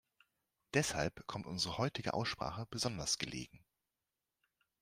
Deshalb kommt unsere heutige Aussprache besonders gelegen.